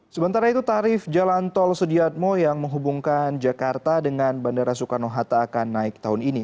sementara itu tarif jalan tol sudiatmo yang menghubungkan jakarta dengan bandara soekarno hatta akan naik tahun ini